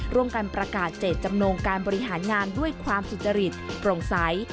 ร่วมกันประกาศเจตจำนงการบริหารงานด้วยความสุจริตโปร่งใส